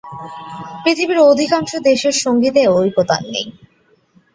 পৃথিবীর অধিকাংশ দেশের সঙ্গীতে ঐকতান নেই।